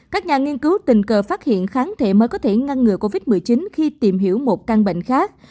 các nhà nghiên cứu tình cờ phát hiện kháng thể mới có thể ngăn ngừa covid một mươi chín khi tìm hiểu một căn bệnh khác